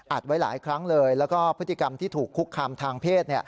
ไว้หลายครั้งเลยแล้วก็พฤติกรรมที่ถูกคุกคามทางเพศ